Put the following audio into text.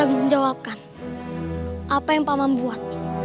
aku bertanggung jawabkan apa yang paman buat